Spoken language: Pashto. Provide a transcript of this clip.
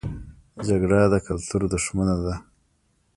جګړه د کلتور دښمنه ده